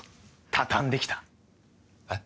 畳んできたえっ？